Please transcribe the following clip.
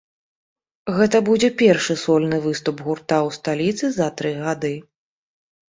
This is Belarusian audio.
Гэта будзе першы сольны выступ гурта ў сталіцы за тры гады.